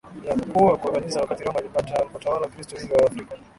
ya kukua kwa Kanisa Wakati Roma ilipotawala Wakristo wengi Waafrika